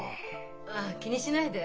あっ気にしないで。